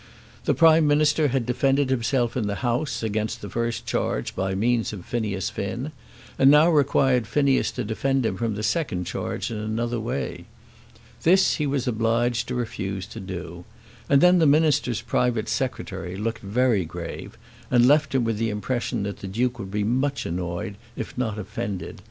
The Prime Minister had defended himself in the House against the first charge by means of Phineas Finn, and now required Phineas to defend him from the second charge in another way. This he was obliged to refuse to do. And then the Minister's private Secretary looked very grave, and left him with the impression that the Duke would be much annoyed, if not offended.